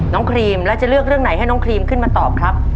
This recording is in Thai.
ครีมแล้วจะเลือกเรื่องไหนให้น้องครีมขึ้นมาตอบครับ